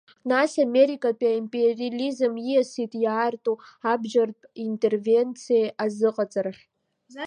Нас америкатәи аимпериализм ииасит иаарту арбџьартә интервенциа азыҟаҵарахь.